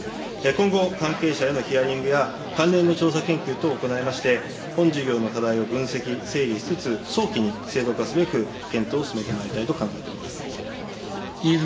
今後、関係者へのヒアリングや、関連の調査研究等を行いまして、本事業の課題を分析、整理しつつ、早期に制度化すべき、検討を進めてまいりたいと考えております。